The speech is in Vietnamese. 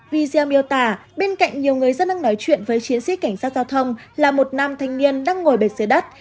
video miêu tả bên cạnh nhiều người dân đang nói chuyện với chiến sĩ cảnh sát giao thông là một nam thanh niên đang ngồi bệt dưới đất